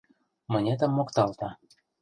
Мынетым мокталта.